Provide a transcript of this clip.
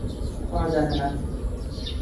ওরা জানে না।